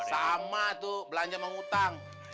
sama tuh belanja mau ngutang